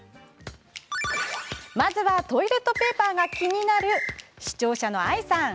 まずはトイレットペーパーが気になる視聴者の、あいさん。